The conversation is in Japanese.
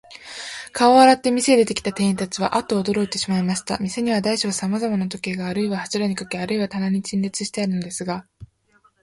顔を洗って、店へ出てきた店員たちは、アッとおどろいてしまいました。店には大小さまざまの時計が、あるいは柱にかけ、あるいは棚に陳列してあるのですが、